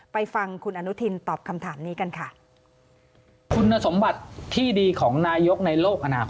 ไปฟังคุณอนุทินตอบคำถามนี้กันค่ะ